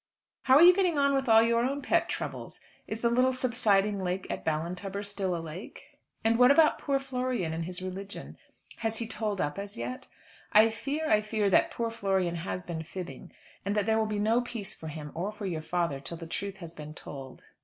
How are you getting on with all your own pet troubles? Is the little subsiding lake at Ballintubber still a lake? And what about poor Florian and his religion? Has he told up as yet? I fear, I fear, that poor Florian has been fibbing, and that there will be no peace for him or for your father till the truth has been told.